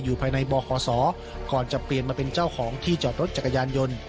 ภายในบขศก่อนจะเปลี่ยนมาเป็นเจ้าของที่จอดรถจักรยานยนต์